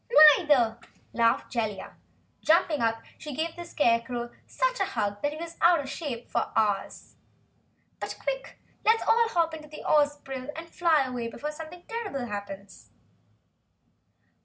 "Neither," laughed Jellia. Jumping up she gave the Scarecrow such a hug he was out of shape for hours. "But quick! Let's all hop in the Ozpril and fly away before something terrible happens."